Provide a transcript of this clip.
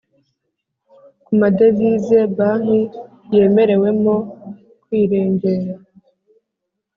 Ku madevize banki yemerewemo kwirengera